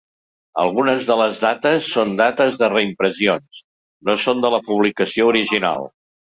Algunes de las dates són dates de reimpressions, no són de la publicació original.